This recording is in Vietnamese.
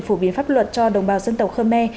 phổ biến pháp luật cho đồng bào dân tộc khơ me